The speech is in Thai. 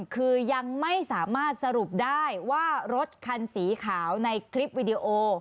คือยังไม่สามารถสรุปได้ว่ารถคันสีขาวในคลิปวิดีโอ